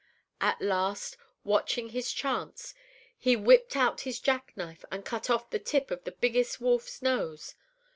At last, watching his chance he whipped out his jack knife and cut off the tip of the biggest wolf's nose.